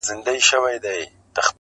• يو څه خو وايه کنه يار خبري ډيري ښې دي.